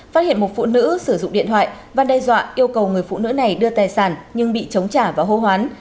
phát hiện một phụ nữ sử dụng điện thoại và đe dọa yêu cầu người phụ nữ này đưa tài sản nhưng bị chống trả và hô hoán